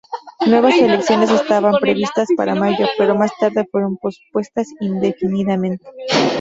Nuevas elecciones estaban previstas para mayo, pero más tarde fueron pospuestas indefinidamente.